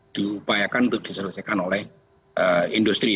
diupayakan untuk diselesaikan oleh industri